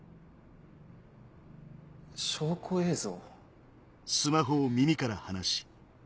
証拠映像？